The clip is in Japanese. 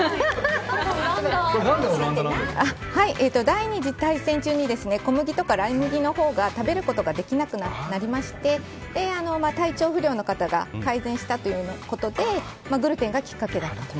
第２次大戦中に小麦とかライ麦のほうが食べることができなくなりまして体調不良の方が改善したということでグルテンがきっかけだったと。